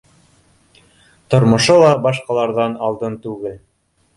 Тормошо ла башҡаларҙан алдын түгел